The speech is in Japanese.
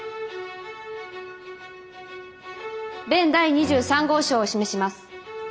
弁第２３号証を示します。